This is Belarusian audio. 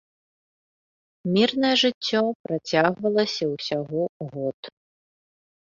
Мірнае жыццё працягвалася ўсяго год.